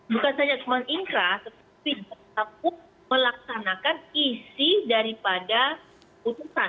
bukan saja cuma ingkrak tetapi tetap pun melaksanakan isi daripada putusan